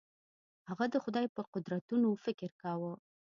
هغه د خدای په قدرتونو فکر کاوه.